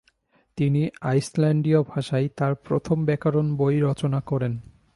তিনি আইসল্যান্ডীয় ভাষায় তার প্রথম ব্যাকরণ বই রচনা করেন।